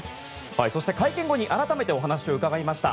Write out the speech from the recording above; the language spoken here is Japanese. そして、会見後に改めてお話を伺いました。